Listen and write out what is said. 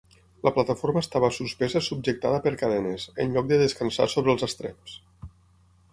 La plataforma estava suspesa subjectada per cadenes, en lloc de descansar sobre els estreps.